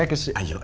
tapi saya kes